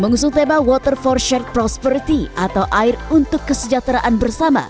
mengusul tema water for share prosperity atau air untuk kesejahteraan bersama